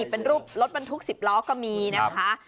เป็นรถบรรทุกสิบล้อก็มีนะคะ